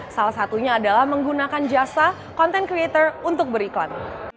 salah satunya adalah menggunakan jasa content creator untuk beriklan